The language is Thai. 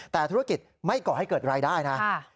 แต่ธุรกิจไม่ก่อให้เกิดรายได้นะ